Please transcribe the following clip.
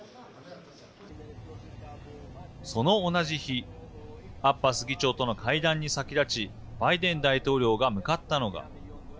その同じ日アッバス議長との会談に先立ちバイデン大統領が向かったのが。